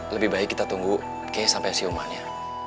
lebih baik kita tunggu kek sampai siuman ya